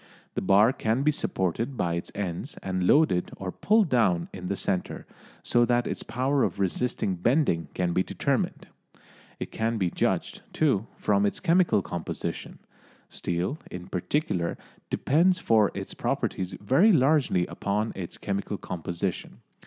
The bar can be supported by its ends and loaded or pulled down in the centre, so that its power of resisting bending can be determined. It can be judged, too, from its chemical composition. Steel, in particular, depends for its properties very largely upon its chemical composition.